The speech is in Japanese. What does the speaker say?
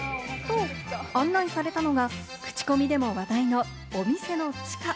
案内されたのはクチコミでも話題のお店の地下。